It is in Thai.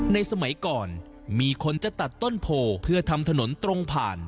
สมัยก่อนมีคนจะตัดต้นโพเพื่อทำถนนตรงผ่าน